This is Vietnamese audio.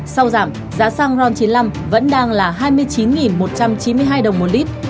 sau giảm giá xăng ron chín mươi năm vẫn đang là hai mươi chín một trăm chín mươi hai đồng một lít